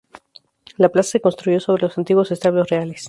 La plaza se construyó sobre los antiguos establos reales.